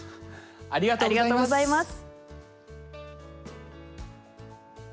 ありがとうございます。